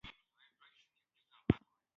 د پښتو لیکوالان مالي ملاتړ نه لري.